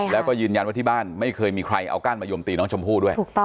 แล้วก็ยืนยันว่าที่บ้านไม่เคยมีใครเอาก้านมายมตีน้องชมพู่ด้วย